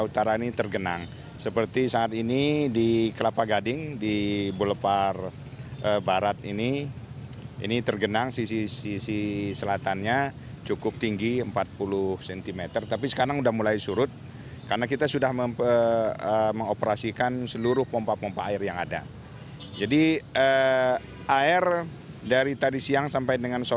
tergenang air dari siang sampai dengan sore ini memang menggenangi